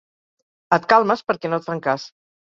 Et calmes perquè no et fan cas.